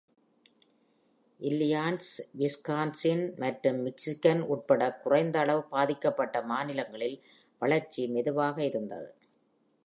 Illinois, Wisconsin மற்றும் Michigan உட்பட குறைந்த அளவு பாதிக்கப்பட்ட மாநிலங்களில், வளர்ச்சி மெதுவாக இருந்தது.